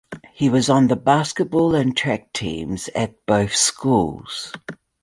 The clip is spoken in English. He was on the basketball and track teams at both schools.